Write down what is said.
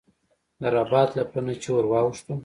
د رباط له پله نه چې ور واوښتو.